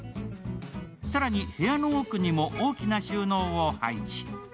更に部屋の奥にも大きな収納を配置。